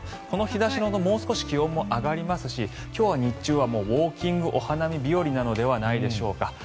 この日差しでもう少し気温も上がりますし今日は日中はウォーキングお花見日和ではないのでしょうか。